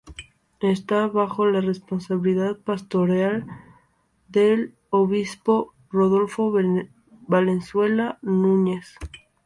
Esta bajo la responsabilidad pastoral del obispo Rodolfo Valenzuela Núñez.